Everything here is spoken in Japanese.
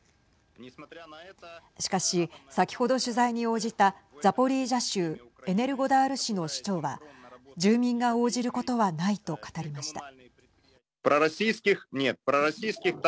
しかし、先ほど取材に応じたザポリージャ州エネルゴダール市の市長は住民が応じることはないと語りました。